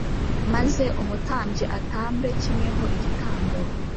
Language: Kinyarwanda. Maze umutambyi atambe kimwe ho igitambo